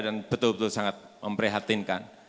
dan betul betul sangat memprihatinkan